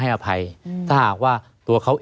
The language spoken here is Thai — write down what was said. ไม่มีครับไม่มีครับ